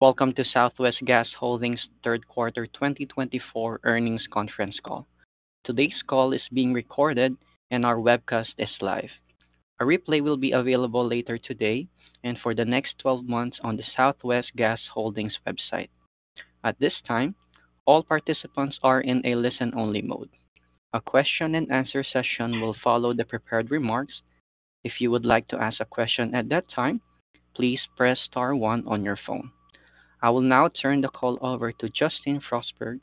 Welcome to Southwest Gas Holdings' Q3 2024 Earnings Conference Call. Today's call is being recorded, and our webcast is live. A replay will be available later today and for the next 12 months on the Southwest Gas Holdings website. At this time, all participants are in a listen-only mode. A question-and-answer session will follow the prepared remarks. If you would like to ask a question at that time, please press star one on your phone. I will now turn the call over to Justin Forsberg,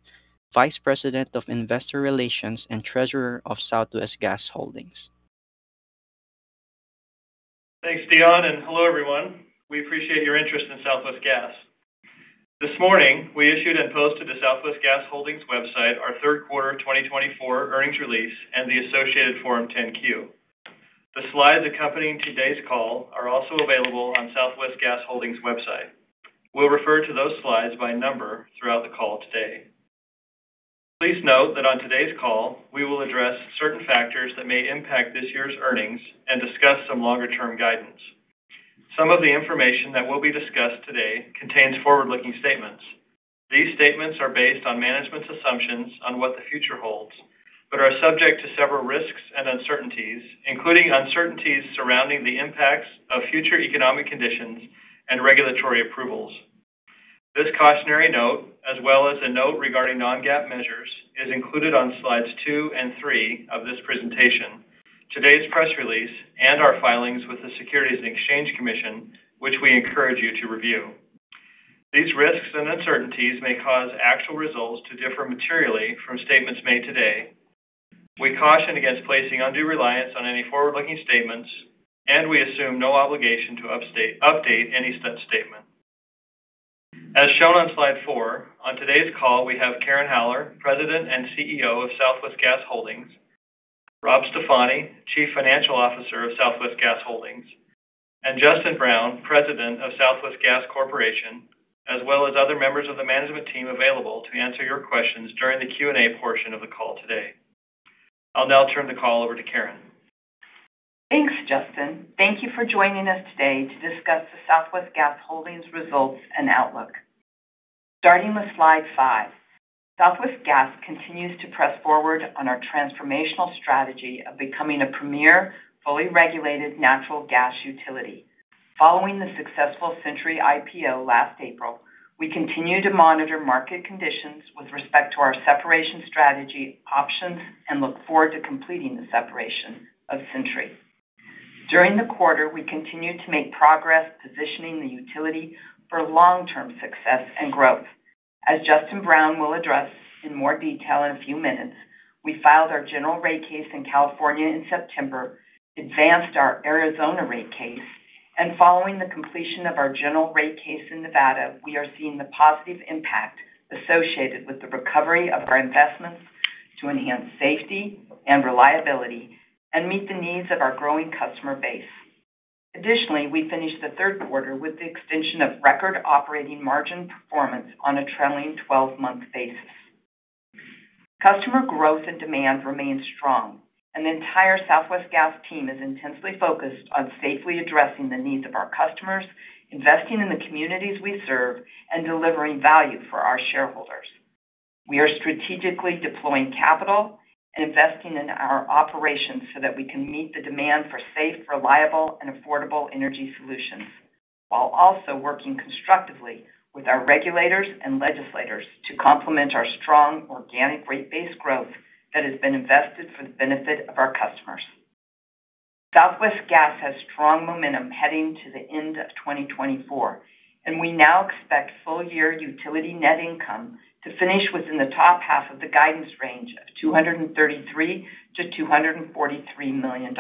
Vice President of Investor Relations and Treasurer of Southwest Gas Holdings. Thanks, Dion, and hello, everyone. We appreciate your interest in Southwest Gas. This morning, we issued and posted on the Southwest Gas Holdings website our Q3 2024 earnings release and the associated Form 10-Q. The slides accompanying today's call are also available on Southwest Gas Holdings' website. We'll refer to those slides by number throughout the call today. Please note that on today's call, we will address certain factors that may impact this year's earnings and discuss some longer-term guidance. Some of the information that will be discussed today contains forward-looking statements. These statements are based on management's assumptions on what the future holds but are subject to several risks and uncertainties, including uncertainties surrounding the impacts of future economic conditions and regulatory approvals. This cautionary note, as well as a note regarding non-GAAP measures, is included on slides two and three of this presentation, today's press release, and our filings with the Securities and Exchange Commission, which we encourage you to review. These risks and uncertainties may cause actual results to differ materially from statements made today. We caution against placing undue reliance on any forward-looking statements, and we assume no obligation to update any such statement. As shown on slide four, on today's call, we have Karen Haller, President and CEO of Southwest Gas Holdings, Rob Stefani, Chief Financial Officer of Southwest Gas Holdings, and Justin Brown, President of Southwest Gas Corporation, as well as other members of the management team available to answer your questions during the Q&A portion of the call today. I'll now turn the call over to Karen. Thanks, Justin. Thank you for joining us today to discuss the Southwest Gas Holdings' results and outlook. Starting with slide five, Southwest Gas continues to press forward on our transformational strategy of becoming a premier, fully regulated natural gas utility. Following the successful Centuri IPO last April, we continue to monitor market conditions with respect to our separation strategy options and look forward to completing the separation of Centuri. During the quarter, we continue to make progress positioning the utility for long-term success and growth. As Justin Brown will address in more detail in a few minutes, we filed our general rate case in California in September, advanced our Arizona rate case, and following the completion of our general rate case in Nevada, we are seeing the positive impact associated with the recovery of our investments to enhance safety and reliability and meet the needs of our growing customer base. Additionally, we finished the Q3 with the extension of record operating margin performance on a trailing 12-month basis. Customer growth and demand remain strong, and the entire Southwest Gas team is intensely focused on safely addressing the needs of our customers, investing in the communities we serve, and delivering value for our shareholders. We are strategically deploying capital and investing in our operations so that we can meet the demand for safe, reliable, and affordable energy solutions, while also working constructively with our regulators and legislators to complement our strong organic rate-based growth that has been invested for the benefit of our customers. Southwest Gas has strong momentum heading to the end of 2024, and we now expect full-year utility net income to finish within the top half of the guidance range of $233-$243 million.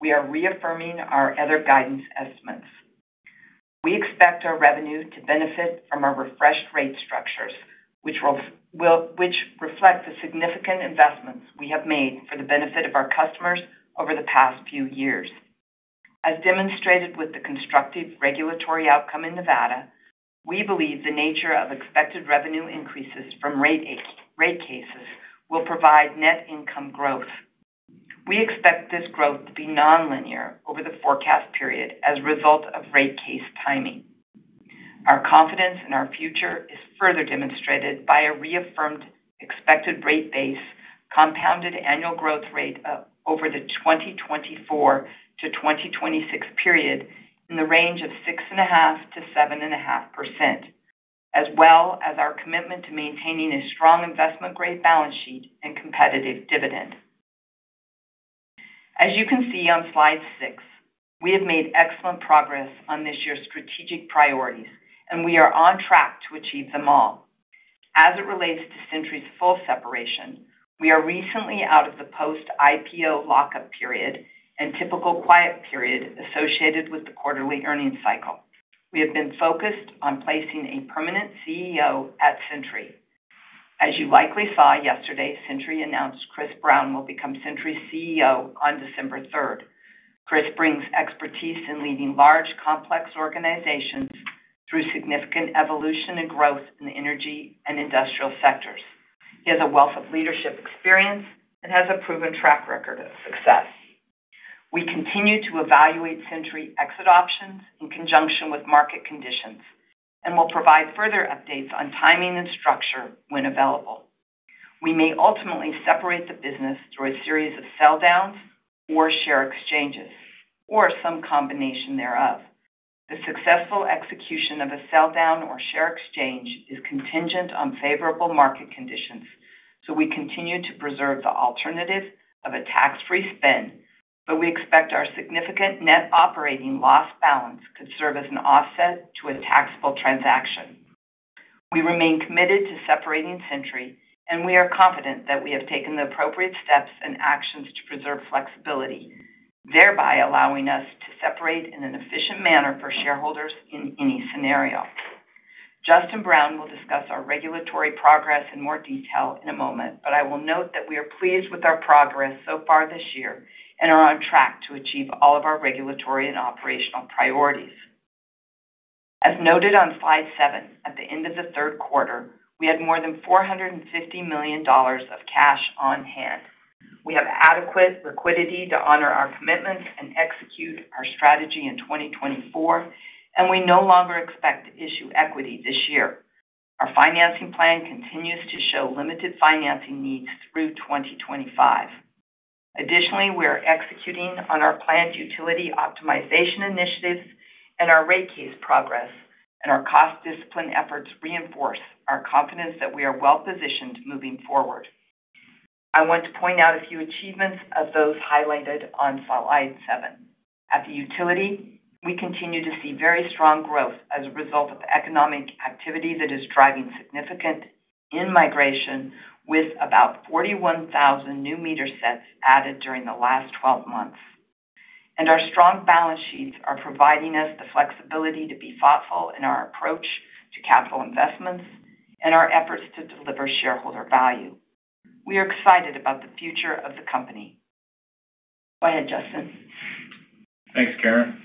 We are reaffirming our other guidance estimates. We expect our revenue to benefit from our refreshed rate structures, which reflect the significant investments we have made for the benefit of our customers over the past few years. As demonstrated with the constructive regulatory outcome in Nevada, we believe the nature of expected revenue increases from rate cases will provide net income growth. We expect this growth to be nonlinear over the forecast period as a result of rate case timing. Our confidence in our future is further demonstrated by a reaffirmed expected rate-based compounded annual growth rate over the 2024-2026 period in the range of 6.5%-7.5%, as well as our commitment to maintaining a strong investment-grade balance sheet and competitive dividend. As you can see on slide six, we have made excellent progress on this year's strategic priorities, and we are on track to achieve them all. As it relates to Centuri's full separation, we are recently out of the post-IPO lockup period and typical quiet period associated with the quarterly earnings cycle. We have been focused on placing a permanent CEO at Centuri. As you likely saw yesterday, Centuri announced Chris Brown will become Centuri's CEO on December 3. Chris brings expertise in leading large, complex organizations through significant evolution and growth in the energy and industrial sectors. He has a wealth of leadership experience and has a proven track record of success. We continue to evaluate Centuri exit options in conjunction with market conditions and will provide further updates on timing and structure when available. We may ultimately separate the business through a series of sell-downs or share exchanges, or some combination thereof. The successful execution of a sell-down or share exchange is contingent on favorable market conditions, so we continue to preserve the alternative of a tax-free spin, but we expect our significant net operating loss balance could serve as an offset to a taxable transaction. We remain committed to separating Centuri, and we are confident that we have taken the appropriate steps and actions to preserve flexibility, thereby allowing us to separate in an efficient manner for shareholders in any scenario. Justin Brown will discuss our regulatory progress in more detail in a moment, but I will note that we are pleased with our progress so far this year and are on track to achieve all of our regulatory and operational priorities. As noted on slide seven, at the end of the Q3, we had more than $450 million of cash on hand. We have adequate liquidity to honor our commitments and execute our strategy in 2024, and we no longer expect to issue equity this year. Our financing plan continues to show limited financing needs through 2025. Additionally, we are executing on our planned utility optimization initiatives and our rate case progress, and our cost discipline efforts reinforce our confidence that we are well-positioned moving forward. I want to point out a few achievements of those highlighted on slide seven. At the utility, we continue to see very strong growth as a result of the economic activity that is driving significant in-migration with about 41,000 new meter sets added during the last 12 months. And our strong balance sheets are providing us the flexibility to be thoughtful in our approach to capital investments and our efforts to deliver shareholder value. We are excited about the future of the company. Go ahead, Justin. Thanks, Karen.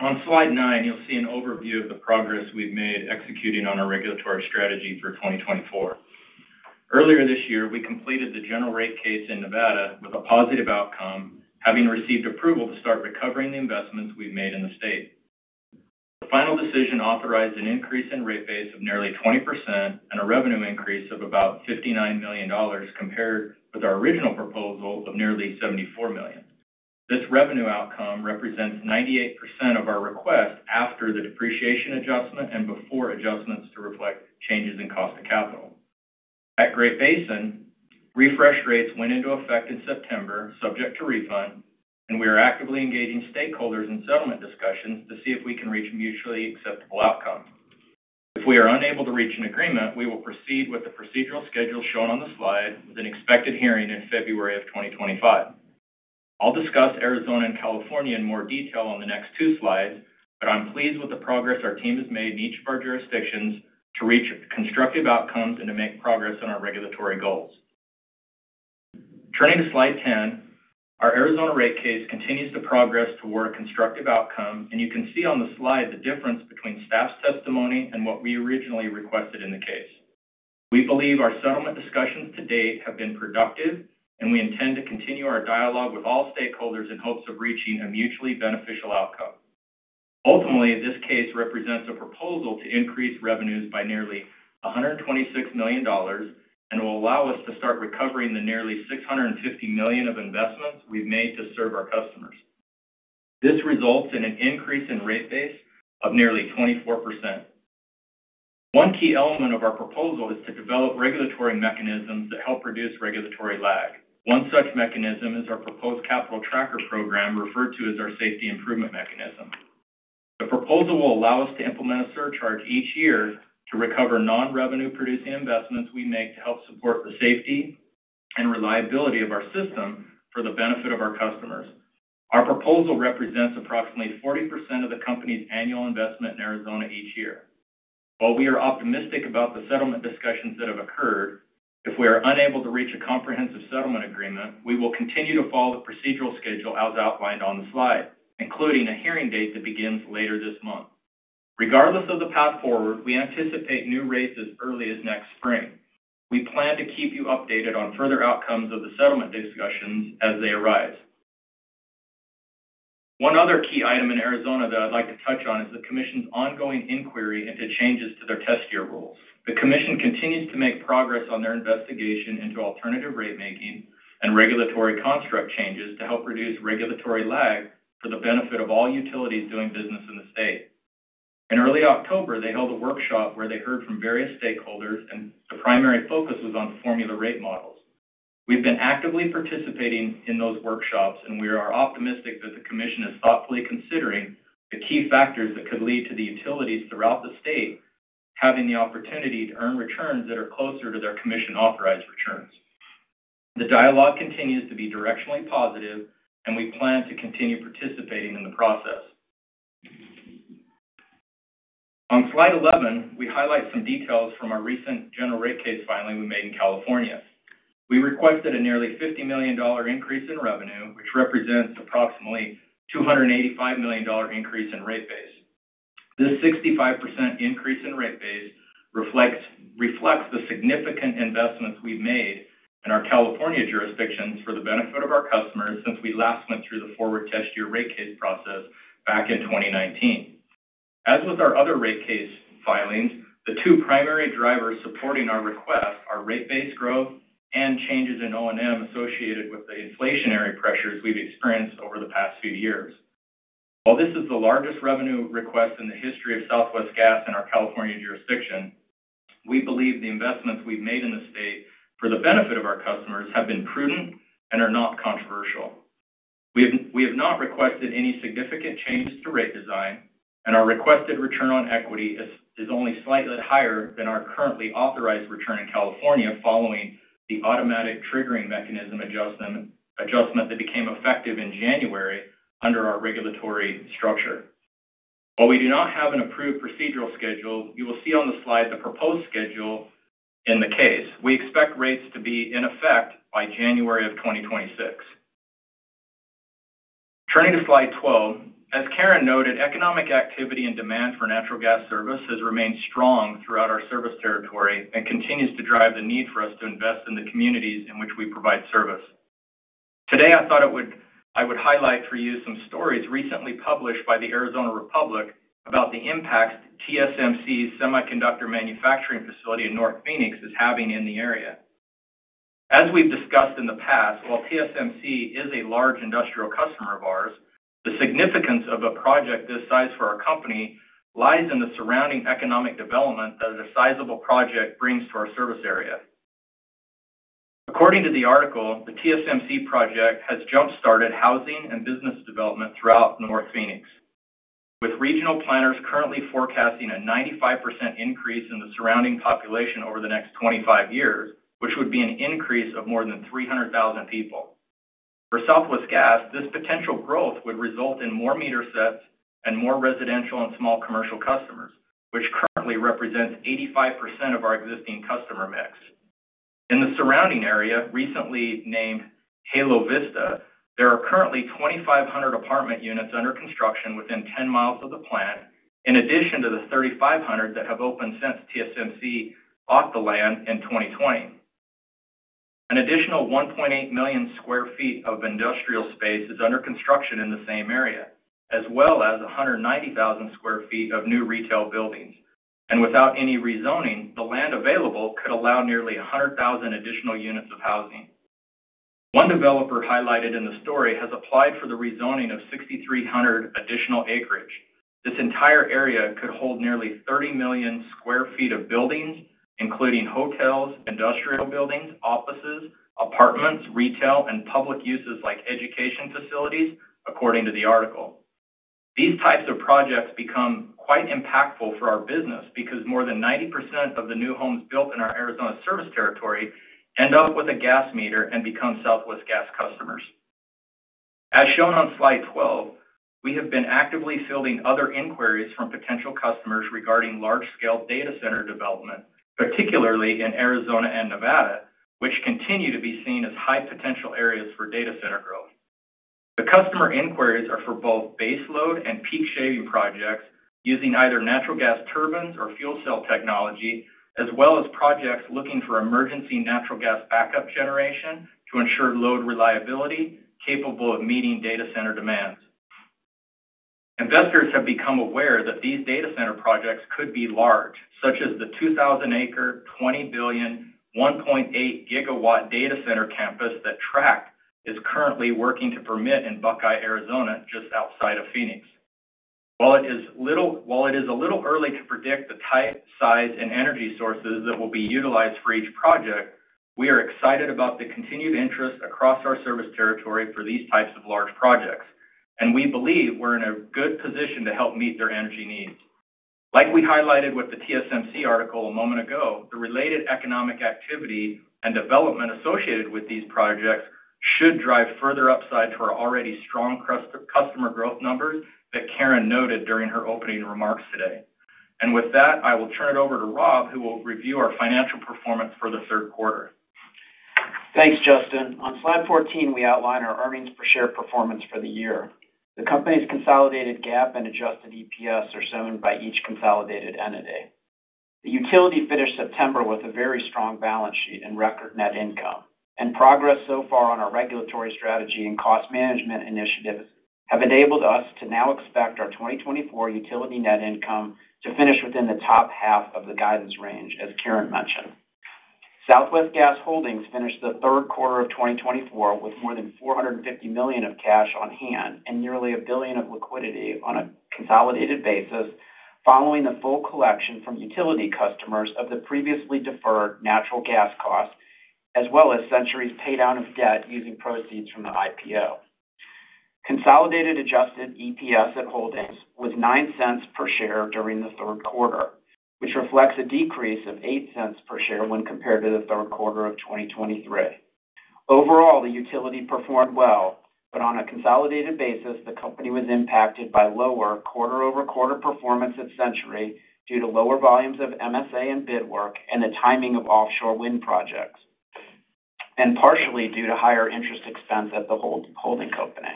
On slide nine, you'll see an overview of the progress we've made executing on our regulatory strategy for 2024. Earlier this year, we completed the general rate case in Nevada with a positive outcome, having received approval to start recovering the investments we've made in the state. The final decision authorized an increase in rate base of nearly 20% and a revenue increase of about $59 million compared with our original proposal of nearly $74 million. This revenue outcome represents 98% of our request after the depreciation adjustment and before adjustments to reflect changes in cost of capital. At Great Basin, refresh rates went into effect in September, subject to refund, and we are actively engaging stakeholders in settlement discussions to see if we can reach a mutually acceptable outcome. If we are unable to reach an agreement, we will proceed with the procedural schedule shown on the slide with an expected hearing in February of 2025. I'll discuss Arizona and California in more detail on the next two slides, but I'm pleased with the progress our team has made in each of our jurisdictions to reach constructive outcomes and to make progress on our regulatory goals. Turning to slide 10, our Arizona rate case continues to progress toward a constructive outcome, and you can see on the slide the difference between staff's testimony and what we originally requested in the case. We believe our settlement discussions to date have been productive, and we intend to continue our dialogue with all stakeholders in hopes of reaching a mutually beneficial outcome. Ultimately, this case represents a proposal to increase revenues by nearly $126 million and will allow us to start recovering the nearly $650 million of investments we've made to serve our customers. This results in an increase in rate base of nearly 24%. One key element of our proposal is to develop regulatory mechanisms that help reduce regulatory lag. One such mechanism is our proposed capital tracker program, referred to as our safety improvement mechanism. The proposal will allow us to implement a surcharge each year to recover non-revenue-producing investments we make to help support the safety and reliability of our system for the benefit of our customers. Our proposal represents approximately 40% of the company's annual investment in Arizona each year. While we are optimistic about the settlement discussions that have occurred, if we are unable to reach a comprehensive settlement agreement, we will continue to follow the procedural schedule as outlined on the slide, including a hearing date that begins later this month. Regardless of the path forward, we anticipate new rates as early as next spring. We plan to keep you updated on further outcomes of the settlement discussions as they arise. One other key item in Arizona that I'd like to touch on is the Commission's ongoing inquiry into changes to their test year rules. The Commission continues to make progress on their investigation into alternative rate-making and regulatory construct changes to help reduce regulatory lag for the benefit of all utilities doing business in the state. In early October, they held a workshop where they heard from various stakeholders, and the primary focus was on formula rate models. We've been actively participating in those workshops, and we are optimistic that the Commission is thoughtfully considering the key factors that could lead to the utilities throughout the state having the opportunity to earn returns that are closer to their Commission-authorized returns. The dialogue continues to be directionally positive, and we plan to continue participating in the process. On slide 11, we highlight some details from our recent general rate case filing we made in California. We requested a nearly $50 million increase in revenue, which represents approximately a $285 million increase in rate base. This 65% increase in rate base reflects the significant investments we've made in our California jurisdictions for the benefit of our customers since we last went through the forward test year rate case process back in 2019. As with our other rate case filings, the two primary drivers supporting our request are rate-based growth and changes in O&M associated with the inflationary pressures we've experienced over the past few years. While this is the largest revenue request in the history of Southwest Gas in our California jurisdiction, we believe the investments we've made in the state for the benefit of our customers have been prudent and are not controversial. We have not requested any significant changes to rate design, and our requested return on equity is only slightly higher than our currently authorized return in California following the automatic triggering mechanism adjustment that became effective in January under our regulatory structure. While we do not have an approved procedural schedule, you will see on the slide the proposed schedule in the case. We expect rates to be in effect by January of 2026. Turning to slide 12, as Karen noted, economic activity and demand for natural gas service has remained strong throughout our service territory and continues to drive the need for us to invest in the communities in which we provide service. Today, I thought I would highlight for you some stories recently published by the Arizona Republic about the impacts TSMC's semiconductor manufacturing facility in North Phoenix is having in the area. As we've discussed in the past, while TSMC is a large industrial customer of ours, the significance of a project this size for our company lies in the surrounding economic development that a sizable project brings to our service area. According to the article, the TSMC project has jump-started housing and business development throughout North Phoenix, with regional planners currently forecasting a 95% increase in the surrounding population over the next 25 years, which would be an increase of more than 300,000 people. For Southwest Gas, this potential growth would result in more meter sets and more residential and small commercial customers, which currently represents 85% of our existing customer mix. In the surrounding area, recently named Halo Vista, there are currently 2,500 apartment units under construction within 10 miles of the plant, in addition to the 3,500 that have opened since TSMC bought the land in 2020. An additional 1.8 million sq ft of industrial space is under construction in the same area, as well as 190,000 sq ft of new retail buildings. And without any rezoning, the land available could allow nearly 100,000 additional units of housing. One developer highlighted in the story has applied for the rezoning of 6,300 additional acres. This entire area could hold nearly 30 million sq ft of buildings, including hotels, industrial buildings, offices, apartments, retail, and public uses like education facilities, according to the article. These types of projects become quite impactful for our business because more than 90% of the new homes built in our Arizona service territory end up with a gas meter and become Southwest Gas customers. As shown on slide 12, we have been actively fielding other inquiries from potential customers regarding large-scale data center development, particularly in Arizona and Nevada, which continue to be seen as high potential areas for data center growth. The customer inquiries are for both baseload and peak shaving projects using either natural gas turbines or fuel cell technology, as well as projects looking for emergency natural gas backup generation to ensure load reliability capable of meeting data center demands. Investors have become aware that these data center projects could be large, such as the 2,000-acre, $20 billion, 1.8 gigawatt data center campus that TRACT is currently working to permit in Buckeye, Arizona, just outside of Phoenix. While it is a little early to predict the type, size, and energy sources that will be utilized for each project, we are excited about the continued interest across our service territory for these types of large projects, and we believe we're in a good position to help meet their energy needs. Like we highlighted with the TSMC article a moment ago, the related economic activity and development associated with these projects should drive further upside for our already strong customer growth numbers that Karen noted during her opening remarks today. And with that, I will turn it over to Rob, who will review our financial performance for the Q3. Thanks, Justin. On slide 14, we outline our earnings-per-share performance for the year. The company's consolidated GAAP and adjusted EPS are shown by each consolidated entity. The utility finished September with a very strong balance sheet and record net income, and progress so far on our regulatory strategy and cost management initiatives have enabled us to now expect our 2024 utility net income to finish within the top half of the guidance range, as Karen mentioned. Southwest Gas Holdings finished the Q3 of 2024 with more than $450 million of cash on hand and nearly a billion of liquidity on a consolidated basis, following the full collection from utility customers of the previously deferred natural gas cost, as well as Centuri's paydown of debt using proceeds from the IPO. Consolidated adjusted EPS at Holdings was $0.09 per share during the Q3, which reflects a decrease of $0.08 per share when compared to the Q3 of 2023. Overall, the utility performed well, but on a consolidated basis, the company was impacted by lower quarter-over-quarter performance at Centuri due to lower volumes of MSA and bid work and the timing of offshore wind projects, and partially due to higher interest expense at the holding company.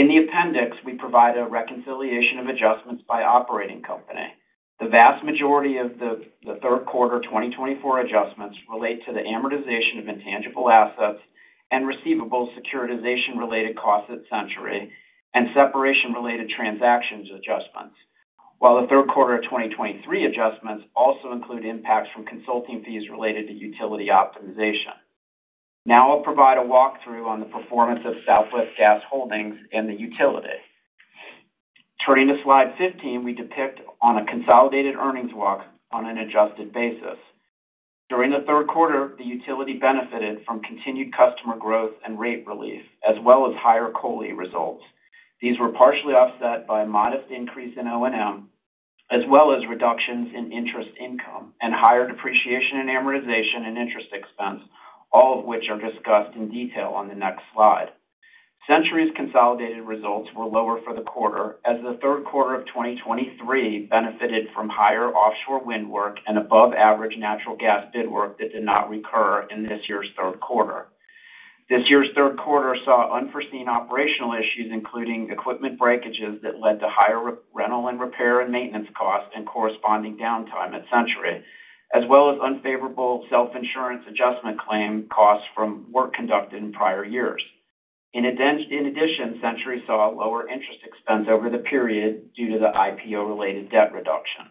In the appendix, we provide a reconciliation of adjustments by operating company. The vast majority of the Q3 2024 adjustments relate to the amortization of intangible assets and receivables securitization-related costs at Centuri and separation-related transactions adjustments, while the Q3 2023 adjustments also include impacts from consulting fees related to utility optimization. Now I'll provide a walkthrough on the performance of Southwest Gas Holdings and the utility. Turning to slide 15, we depict a consolidated earnings walk on an adjusted basis. During the Q3, the utility benefited from continued customer growth and rate relief, as well as higher COLI results. These were partially offset by a modest increase in O&M, as well as reductions in interest income and higher depreciation and amortization and interest expense, all of which are discussed in detail on the next slide. Centuri's consolidated results were lower for the quarter, as the Q3 of 2023 benefited from higher offshore wind work and above-average natural gas bid work that did not recur in this year's Q3. This year's Q3 saw unforeseen operational issues, including equipment breakages that led to higher rental and repair and maintenance costs and corresponding downtime at Centuri, as well as unfavorable self-insurance adjustment claim costs from work conducted in prior years. In addition, Centuri saw lower interest expense over the period due to the IPO-related debt reduction.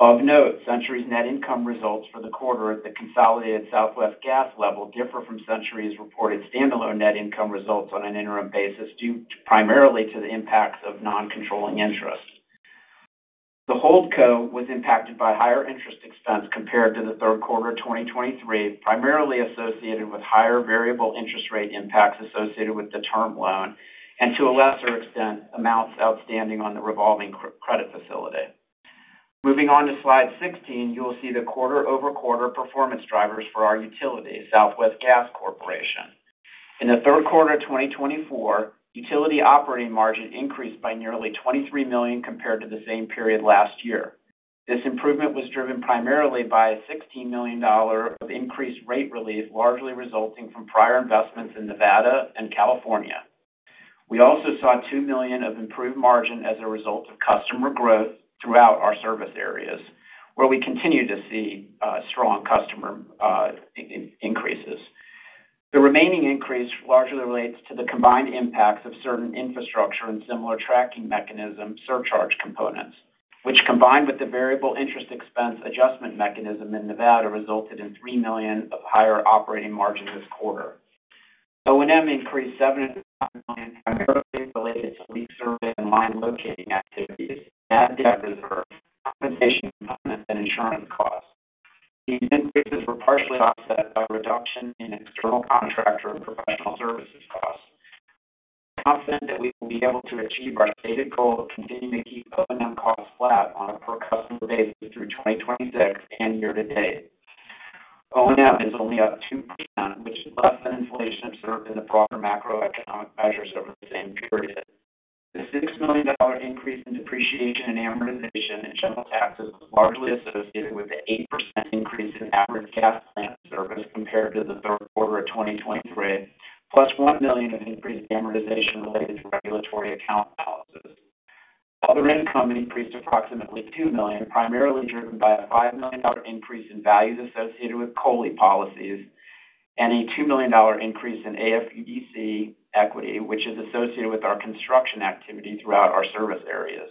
Of note, Centuri's net income results for the quarter at the consolidated Southwest Gas level differ from Centuri's reported standalone net income results on an interim basis due primarily to the impacts of non-controlling interest. The HoldCo was impacted by higher interest expense compared to the Q3 2023, primarily associated with higher variable interest rate impacts associated with the term loan and, to a lesser extent, amounts outstanding on the revolving credit facility. Moving on to slide 16, you will see the quarter-over-quarter performance drivers for our utility, Southwest Gas Corporation. In the Q3 2024, utility operating margin increased by nearly $23 million compared to the same period last year. This improvement was driven primarily by a $16 million of increased rate relief, largely resulting from prior investments in Nevada and California. We also saw $2 million of improved margin as a result of customer growth throughout our service areas, where we continue to see strong customer increases. The remaining increase largely relates to the combined impacts of certain infrastructure and similar tracking mechanism surcharge components, which, combined with the variable interest expense adjustment mechanism in Nevada, resulted in $3 million of higher operating margin this quarter. O&M increased $7.5 million, primarily related to lease service and line locating activities, additive reserves, compensation, and insurance costs. These increases were partially offset by reduction in external contractor and professional services costs. We are confident that we will be able to achieve our stated goal of continuing to keep O&M costs flat on a per-customer basis through 2026 and year to date. O&M is only up 2%, which is less than inflation observed in the broader macroeconomic measures over the same period. The $6 million increase in depreciation, amortization, and general taxes was largely associated with the 8% increase in average gas plant service compared to the Q3 of 2023, +$1 million of increased amortization related to regulatory account balances. Other income increased approximately $2 million, primarily driven by a $5 million increase in values associated with COLI policies and a $2 million increase in AFUDC equity, which is associated with our construction activity throughout our service areas.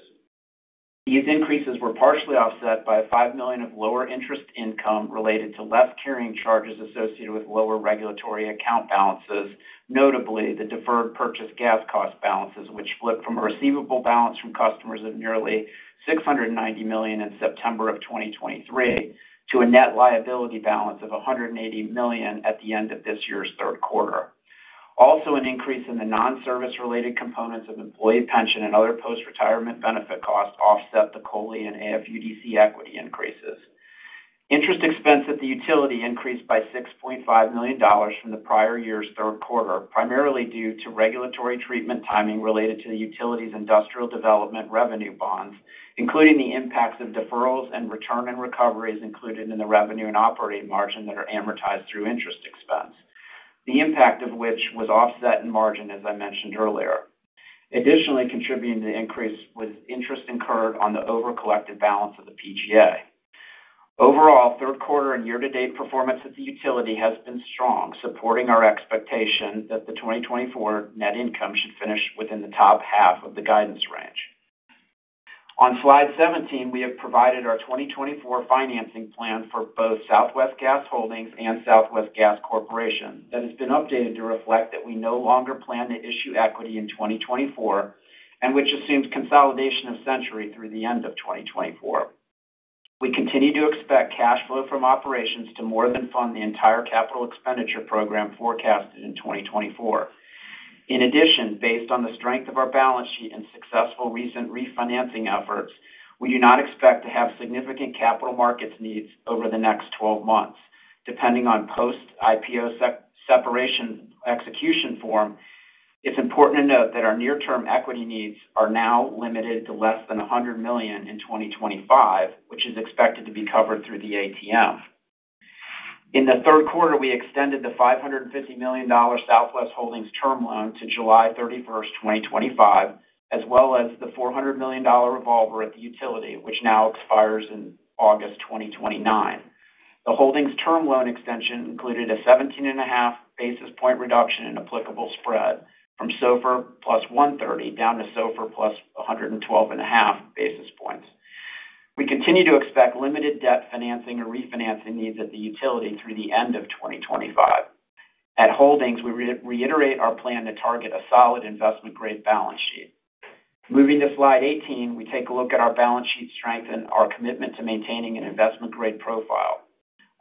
These increases were partially offset by $5 million of lower interest income related to less carrying charges associated with lower regulatory account balances, notably the deferred purchased gas cost balances, which flipped from a receivable balance from customers of nearly $690 million in September of 2023 to a net liability balance of $180 million at the end of this year's Q3. Also, an increase in the non-service-related components of employee pension and other post-retirement benefit costs offset the COLI and AFUDC equity increases. Interest expense at the utility increased by $6.5 million from the prior year's Q3, primarily due to regulatory treatment timing related to the utility's industrial development revenue bonds, including the impacts of deferrals and return and recoveries included in the revenue and operating margin that are amortized through interest expense, the impact of which was offset in margin, as I mentioned earlier. Additionally, contributing to the increase was interest incurred on the over-collected balance of the PGA. Overall, Q3 and year-to-date performance at the utility has been strong, supporting our expectation that the 2024 net income should finish within the top half of the guidance range. On slide 17, we have provided our 2024 financing plan for both Southwest Gas Holdings and Southwest Gas Corporation that has been updated to reflect that we no longer plan to issue equity in 2024 and which assumes consolidation of Centuri through the end of 2024. We continue to expect cash flow from operations to more than fund the entire capital expenditure program forecasted in 2024. In addition, based on the strength of our balance sheet and successful recent refinancing efforts, we do not expect to have significant capital markets needs over the next 12 months. Depending on post-IPO separation execution form, it's important to note that our near-term equity needs are now limited to less than $100 million in 2025, which is expected to be covered through the ATM. In the Q3, we extended the $550 million Southwest Gas Holdings term loan to July 31, 2025, as well as the $400 million revolver at the utility, which now expires in August 2029. The Holdings term loan extension included a 17.5 basis point reduction in applicable spread from SOFR +130 down to SOFR +112.5 basis points. We continue to expect limited debt financing or refinancing needs at the utility through the end of 2025. At Holdings, we reiterate our plan to target a solid investment-grade balance sheet. Moving to slide 18, we take a look at our balance sheet strength and our commitment to maintaining an investment-grade profile.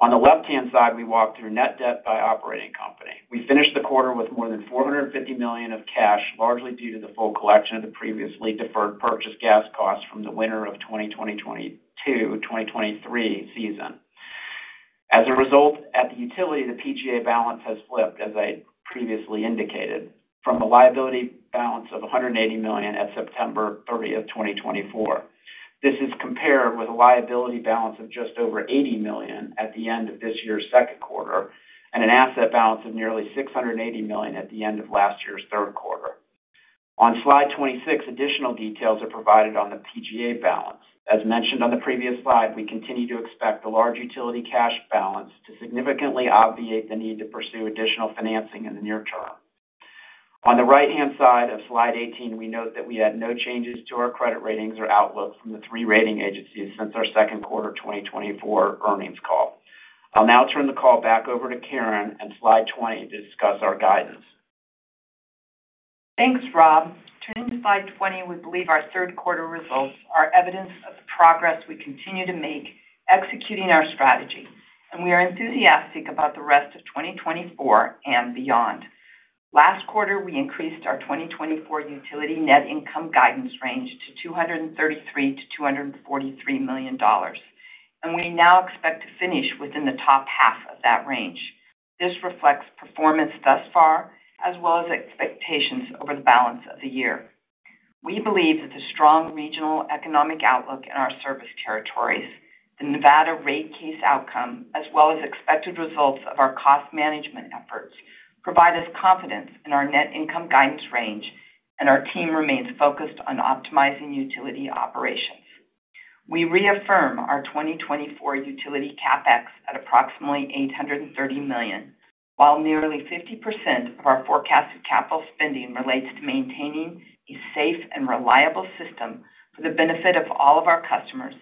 On the left-hand side, we walk through net debt by operating company. We finished the quarter with more than $450 million of cash, largely due to the full collection of the previously deferred purchased gas costs from the winter of 2022-2023 season. As a result, at the utility, the PGA balance has flipped, as I previously indicated, from a liability balance of $180 million at September 30, 2024. This is compared with a liability balance of just over $80 million at the end of this year's Q2 and an asset balance of nearly $680 million at the end of last year's Q3. On slide 26, additional details are provided on the PGA balance. As mentioned on the previous slide, we continue to expect the large utility cash balance to significantly obviate the need to pursue additional financing in the near term. On the right-hand side of slide 18, we note that we had no changes to our credit ratings or outlook from the three rating agencies since our Q2 2024 earnings call. I'll now turn the call back over to Karen and slide 20 to discuss our guidance. Thanks, Rob. Turning to slide 20, we believe our Q3 results are evidence of the progress we continue to make executing our strategy, and we are enthusiastic about the rest of 2024 and beyond. Last quarter, we increased our 2024 utility net income guidance range to $233-$243 million, and we now expect to finish within the top half of that range. This reflects performance thus far, as well as expectations over the balance of the year. We believe that the strong regional economic outlook in our service territories, the Nevada rate case outcome, as well as expected results of our cost management efforts, provide us confidence in our net income guidance range, and our team remains focused on optimizing utility operations. We reaffirm our 2024 utility CapEx at approximately $830 million, while nearly 50% of our forecasted capital spending relates to maintaining a safe and reliable system for the benefit of all of our customers.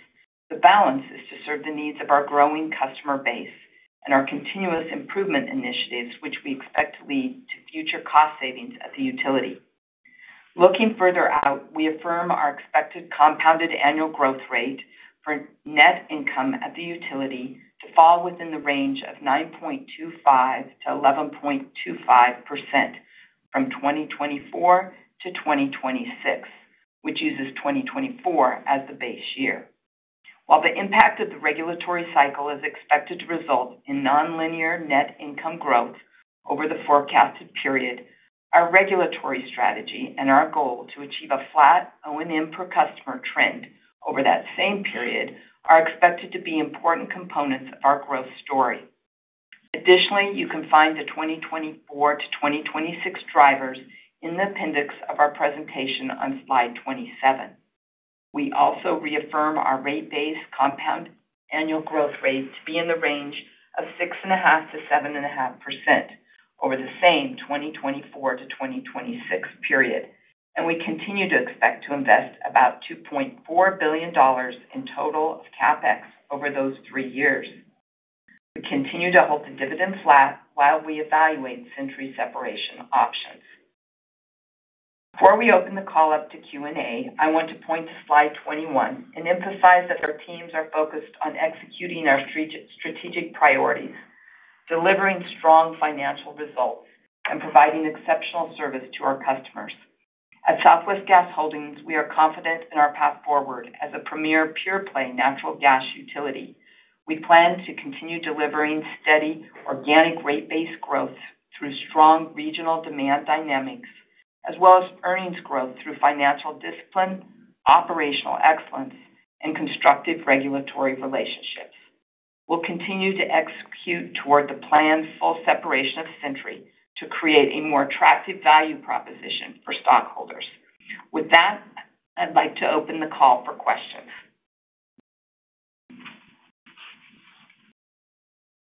The balance is to serve the needs of our growing customer base and our continuous improvement initiatives, which we expect to lead to future cost savings at the utility. Looking further out, we affirm our expected compounded annual growth rate for net income at the utility to fall within the range of 9.25%-11.25% from 2024 to 2026, which uses 2024 as the base year. While the impact of the regulatory cycle is expected to result in non-linear net income growth over the forecasted period, our regulatory strategy and our goal to achieve a flat O&M per customer trend over that same period are expected to be important components of our growth story. Additionally, you can find the 2024 to 2026 drivers in the appendix of our presentation on slide 27. We also reaffirm our rate-based compound annual growth rate to be in the range of 6.5%-7.5% over the same 2024-2026 period, and we continue to expect to invest about $2.4 billion in total of CapEx over those three years. We continue to hold the dividend flat while we evaluate Centuri separation options. Before we open the call up to Q&A, I want to point to slide 21 and emphasize that our teams are focused on executing our strategic priorities, delivering strong financial results, and providing exceptional service to our customers. At Southwest Gas Holdings, we are confident in our path forward as a premier pure-play natural gas utility. We plan to continue delivering steady organic rate-based growth through strong regional demand dynamics, as well as earnings growth through financial discipline, operational excellence, and constructive regulatory relationships. We'll continue to execute toward the planned full separation of Centuri to create a more attractive value proposition for stockholders. With that, I'd like to open the call for questions.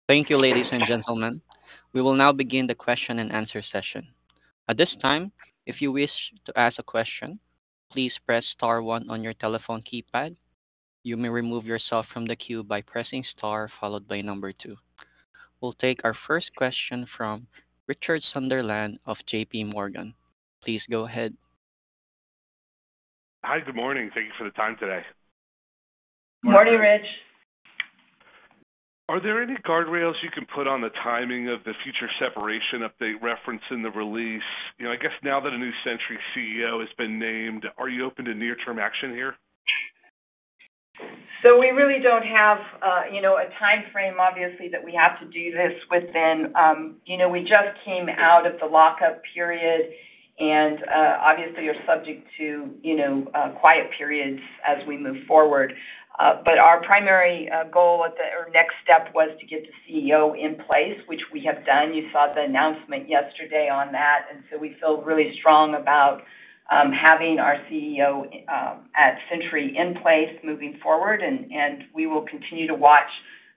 Thank you, ladies and gentlemen. We will now begin the question and answer session. At this time, if you wish to ask a question, please press star one on your telephone keypad. You may remove yourself from the queue by pressing star followed by number two. We'll take our first question from Richard Sunderland of J.P. Morgan. Please go ahead. Hi, good morning. Thank you for the time today. Good morning, Rich. Are there any guardrails you can put on the timing of the future separation update referenced in the release? I guess now that a new Centuri CEO has been named, are you open to near-term action here? So we really don't have a timeframe, obviously, that we have to do this within. We just came out of the lockup period, and obviously, you're subject to quiet periods as we move forward. But our primary goal or next step was to get the CEO in place, which we have done. You saw the announcement yesterday on that, and so we feel really strong about having our CEO at Centuri in place moving forward, and we will continue to watch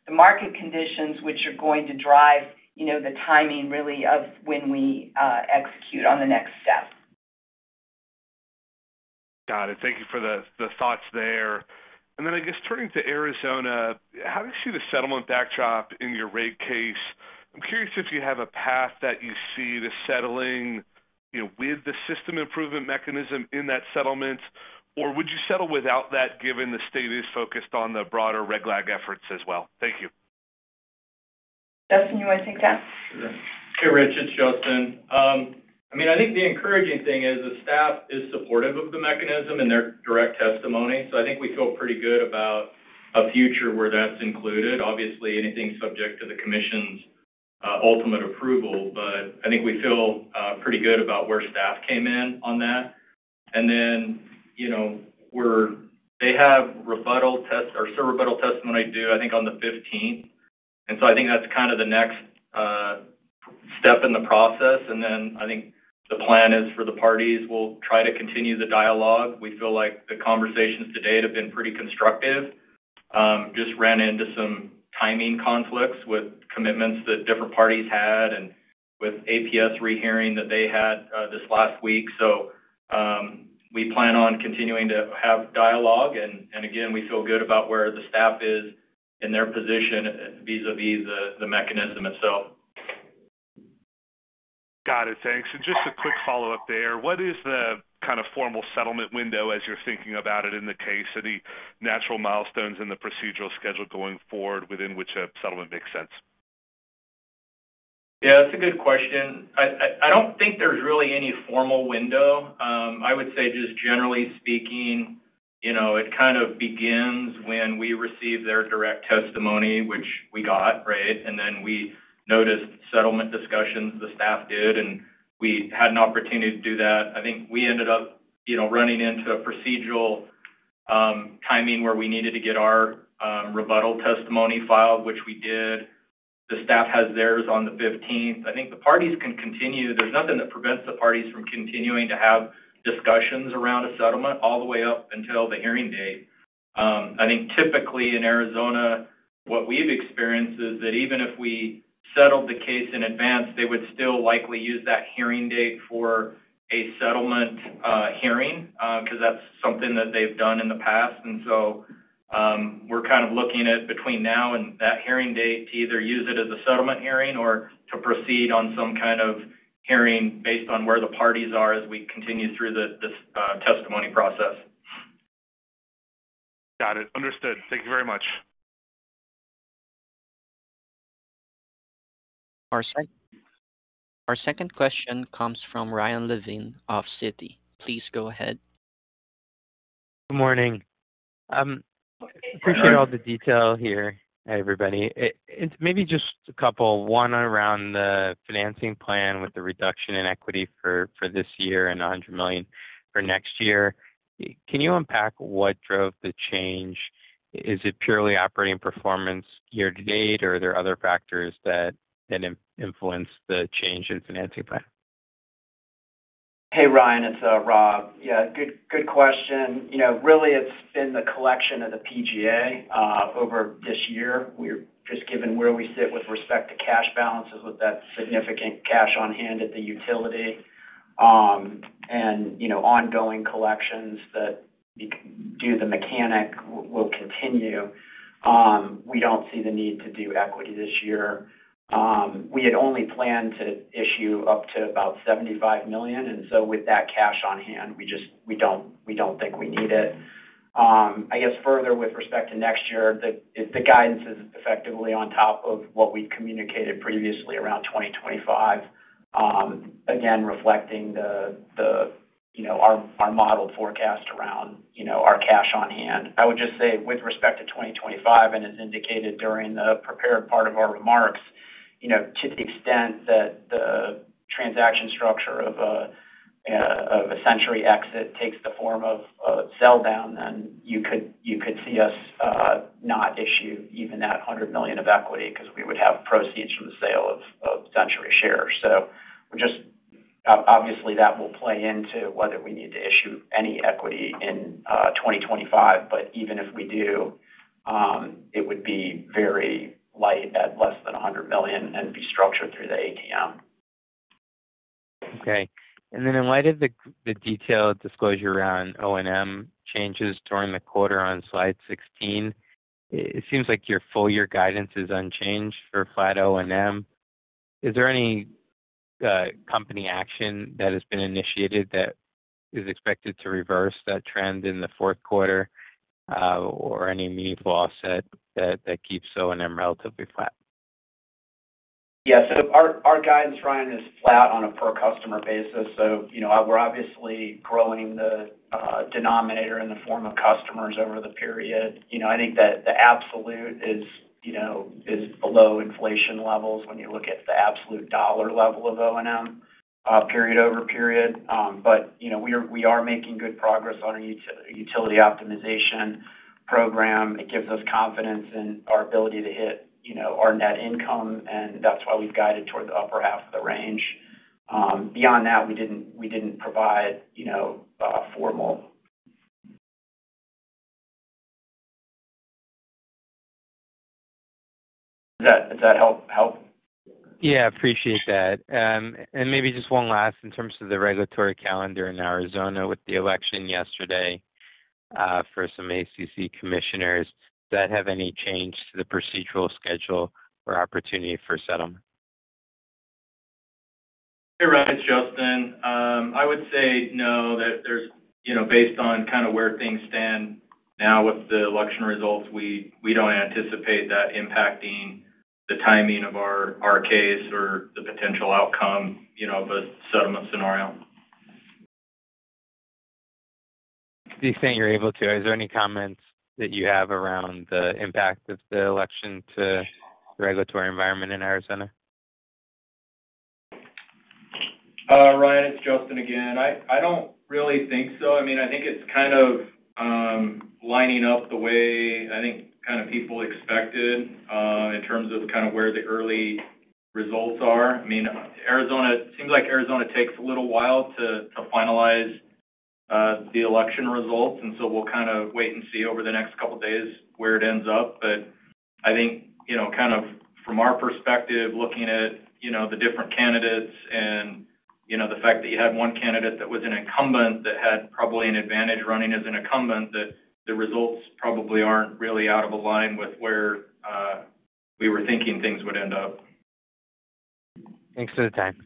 the market conditions, which are going to drive the timing really of when we execute on the next step. Got it. Thank you for the thoughts there, and then I guess turning to Arizona, how do you see the settlement backdrop in your rate case? I'm curious if you have a path that you see to settling with the system improvement mechanism in that settlement, or would you settle without that given the state is focused on the broader red flag efforts as well? Thank you. Justin, you want to take that? Sure. Hey, Rich. It's Justin. I mean, I think the encouraging thing is the staff is supportive of the mechanism and their direct testimony, so I think we feel pretty good about a future where that's included. Obviously, anything subject to the commission's ultimate approval, but I think we feel pretty good about where staff came in on that. And then they have rebuttal testimony or surrebuttal testimony due, I think, on the 15th, and so I think that's kind of the next step in the process. And then I think the plan is for the parties will try to continue the dialogue. We feel like the conversations to date have been pretty constructive. Just ran into some timing conflicts with commitments that different parties had and with APS rehearing that they had this last week. So we plan on continuing to have dialogue, and again, we feel good about where the staff is in their position vis-à-vis the mechanism itself. Got it. Thanks. And just a quick follow-up there. What is the kind of formal settlement window as you're thinking about it in the case? Any natural milestones in the procedural schedule going forward within which a settlement makes sense? Yeah, that's a good question. I don't think there's really any formal window. I would say just generally speaking, it kind of begins when we receive their direct testimony, which we got, right? And then we noticed settlement discussions the staff did, and we had an opportunity to do that. I think we ended up running into a procedural timing where we needed to get our rebuttal testimony filed, which we did. The staff has theirs on the 15th. I think the parties can continue. There's nothing that prevents the parties from continuing to have discussions around a settlement all the way up until the hearing date. I think typically in Arizona, what we've experienced is that even if we settled the case in advance, they would still likely use that hearing date for a settlement hearing because that's something that they've done in the past. And so, we're kind of looking at between now and that hearing date to either use it as a settlement hearing or to proceed on some kind of hearing based on where the parties are as we continue through the testimony process. Got it. Understood. Thank you very much. Our second question comes from Ryan Levine of Citi. Please go ahead. Good morning. Appreciate all the detail here, everybody. Maybe just a couple. One around the financing plan with the reduction in equity for this year and $100 million for next year. Can you unpack what drove the change? Is it purely operating performance year to date, or are there other factors that influence the change in financing plan? Hey, Ryan. It's Rob. Yeah, good question. Really, it's been the collection of the PGA over this year. We're just, given where we sit with respect to cash balances with that significant cash on hand at the utility and ongoing collections that do the heavy lifting will continue. We don't see the need to do equity this year. We had only planned to issue up to about $75 million, and so with that cash on hand, we don't think we need it. I guess further with respect to next year, the guidance is effectively on top of what we've communicated previously around 2025, again, reflecting our model forecast around our cash on hand. I would just say with respect to 2025, and as indicated during the prepared part of our remarks, to the extent that the transaction structure of a Centuri exit takes the form of a sell down, then you could see us not issue even that $100 million of equity because we would have proceeds from the sale of Centuri shares. So obviously, that will play into whether we need to issue any equity in 2025, but even if we do, it would be very light at less than $100 million and be structured through the ATM. Okay. And then in light of the detailed disclosure around O&M changes during the quarter on slide 16, it seems like your full year guidance is unchanged for flat O&M. Is there any company action that has been initiated that is expected to reverse that trend in the fourth quarter or any meaningful offset that keeps O&M relatively flat? Yeah. So our guidance, Ryan, is flat on a per-customer basis. So we're obviously growing the denominator in the form of customers over the period. I think that the absolute is below inflation levels when you look at the absolute dollar level of O&M period over period, but we are making good progress on our utility optimization program. It gives us confidence in our ability to hit our net income, and that's why we've guided toward the upper half of the range. Beyond that, we didn't provide formal. Does that help? Yeah, appreciate that. And maybe just one last in terms of the regulatory calendar in Arizona with the election yesterday for some ACC commissioners. Does that have any change to the procedural schedule or opportunity for settlement? Hey, Ryan. It's Justin. I would say no, that based on kind of where things stand now with the election results, we don't anticipate that impacting the timing of our case or the potential outcome of a settlement scenario. To the extent you're able to, is there any comments that you have around the impact of the election to the regulatory environment in Arizona? Ryan, it's Justin again. I don't really think so. I mean, I think it's kind of lining up the way I think kind of people expected in terms of kind of where the early results are. I mean, it seems like Arizona takes a little while to finalize the election results, and so we'll kind of wait and see over the next couple of days where it ends up. But I think kind of from our perspective, looking at the different candidates and the fact that you had one candidate that was an incumbent that had probably an advantage running as an incumbent, that the results probably aren't really out of alignment with where we were thinking things would end up. Thanks for the time.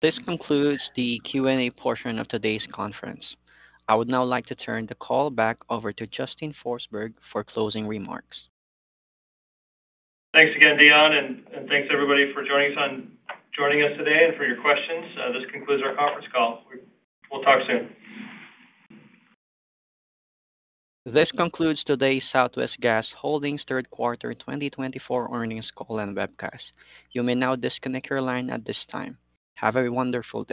This concludes the Q&A portion of today's conference. I would now like to turn the call back over to Justin Forsberg for closing remarks. Thanks again, Dion, and thanks everybody for joining us today and for your questions. This concludes our conference call. We'll talk soon. This concludes today's Southwest Gas Holdings Third Quarter 2024 Earnings Call on webcast. You may now disconnect your line at this time. Have a wonderful day.